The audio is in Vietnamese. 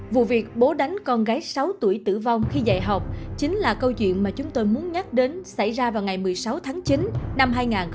vụ việc bố đánh con gái sáu tuổi tử vong khi dạy học chính là câu chuyện mà chúng tôi muốn nhắc đến xảy ra vào ngày một mươi sáu tháng chín năm hai nghìn một mươi ba